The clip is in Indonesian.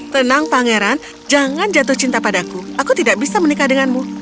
tenang pangeran jangan jatuh cinta padaku aku tidak bisa menikah denganmu